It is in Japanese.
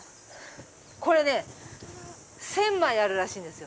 これね、１０００枚あるらしいんですよ